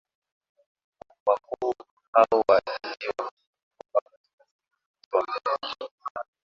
Wakuu hao wa nchi wamesema kwamba katika siku za usoni